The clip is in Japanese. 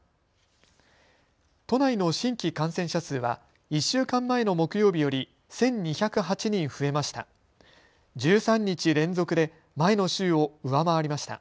都内の新規感染者数は１週間前の木曜日より１２０８人増えました。